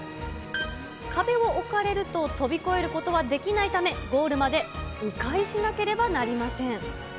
壁を置かれると、飛び越えることはできないため、ゴールまでう回しなければなりません。